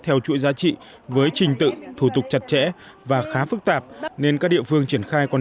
theo chuỗi giá trị với trình tự thủ tục chặt chẽ và khá phức tạp nên các địa phương triển khai còn